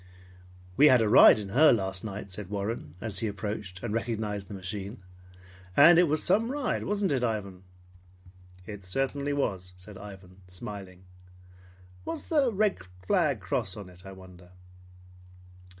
"We had a ride in her last night," said Warren, as he approached and recognized the machine. "And it was some ride, wasn't it, Ivan?" "It certainly was," said Ivan, smiling. "What's the red cross flag on it I wonder?"